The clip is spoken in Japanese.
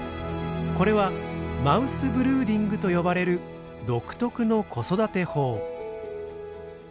これはマウスブルーディングと呼ばれる独特の子育て法。